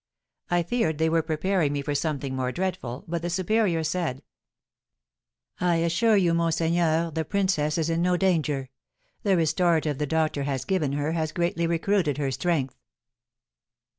I feared they were preparing me for something more dreadful, but the superior said: "I assure you, monseigneur, the princess is in no danger; the restorative the doctor has given her has greatly recruited her strength."